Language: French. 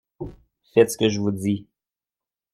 Faites ce que je vous dis.